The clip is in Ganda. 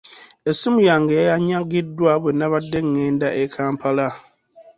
Essimu yange yanyagiddwa bwe nabadde ngenda e Kampala.